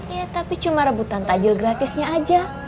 ya tapi cuma rebutan takjil gratisnya aja